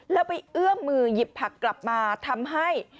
แล้วไปเอื้อมมือหยิบผักกลับมาทำให้